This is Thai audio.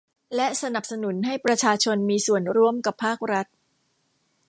และสนับสนุนให้ประชาชนมีส่วนร่วมกับภาครัฐ